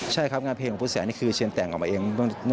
ใช่ครับงานเพลงของคุณแสงนี่คือเชียนแต่งออกมาเอง